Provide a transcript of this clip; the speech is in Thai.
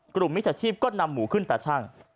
กลุ่มมิชชาชีพก็นำหมูขึ้นตาช่าง